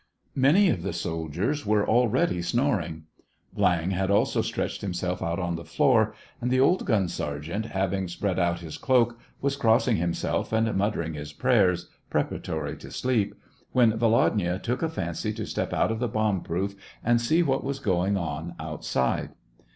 Many of the soldiers were already snoring. Viang had also stretched himself out on the floor, and the old gun sergeant, having spread out his cloak, was crossing himself and muttering his prayers, preparatory to sleep, when Volodya took a fancy to step out of the bomb proof, and see what was going on outside.